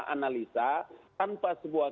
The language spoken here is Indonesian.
analisa tanpa sebuah